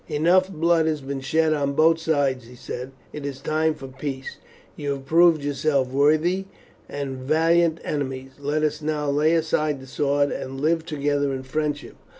"Enough blood has been shed on both sides," he said. "It is time for peace. You have proved yourselves worthy and valiant enemies; let us now lay aside the sword and live together in friendship.